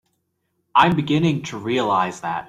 I'm beginning to realize that.